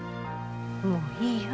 もういいよ。